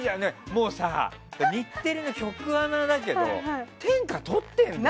もうさ、日テレの局アナだけど何をおっしゃる！